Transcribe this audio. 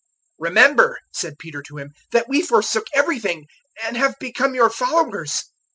010:028 "Remember," said Peter to Him, "that we forsook everything and have become your followers."